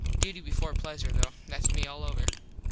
Duty before pleasure though. Thats me all over.